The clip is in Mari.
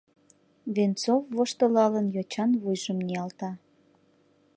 — Венцов, воштылалын, йочан вуйжым ниялта.